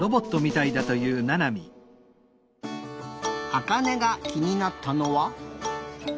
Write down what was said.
あかねがきになったのは。